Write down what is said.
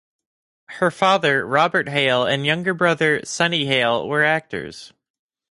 Her father, Robert Hale, and younger brother, Sonnie Hale, were actors.